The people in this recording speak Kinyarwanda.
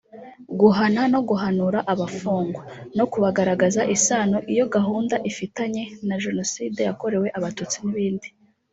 guhana no guhanura abafungwa no kubagaragaza isano iyo gahunda ifitanye na Genoside yakorewe abatutsi n’ibindi